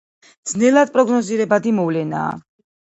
ძნელად პროგნოზირებადი მოვლენაა.